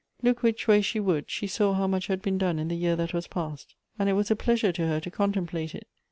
Look which way she would, she saw how much had been done in the year that was past, and it was a pleasure to her to contemplate it.